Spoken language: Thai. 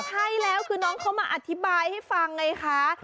ใช่แล้วคือน้องเขามาอธิบายให้ฟังไงคะ